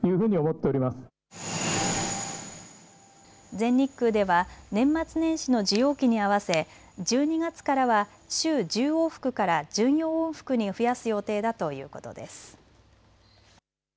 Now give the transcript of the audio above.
全日空では年末年始の需要期に合わせ１２月からは週１０往復から１４往復に増やす予定だということです。